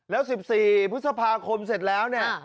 แล้ว๑๔พฤษภาคมเสร็จแล้วเนี่ย